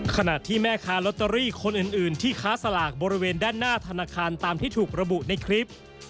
ขณะที่แม่ค้าลอตเตอรี่คนอื่นที่ค้าสลากบริเวณด้านหน้าธนาคารตามที่ถูกระบุในคลิป